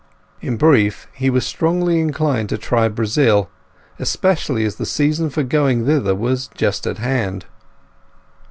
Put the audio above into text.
In brief he was strongly inclined to try Brazil, especially as the season for going thither was just at hand.